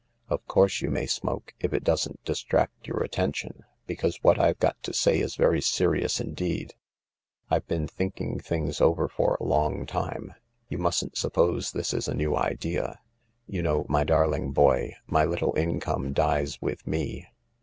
" Of course you may smoke, if it doesn't distract your attention, because what I've got to say is very serious indeed. I've been thinking things over for a long time ; you mustn't suppose this is a new idea. You know, my darling boy, my little income dies with me.